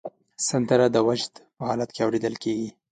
سندره د وجد په حالت کې اورېدل کېږي